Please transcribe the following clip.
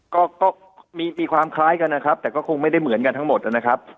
ก็ก็มีความคล้ายกันนะครับแต่ก็คงไม่ได้เหมือนกันทั้งหมดนะครับ